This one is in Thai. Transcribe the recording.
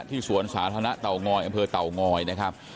สวนสาธารณะเตางอยอำเภอเต่างอยนะครับ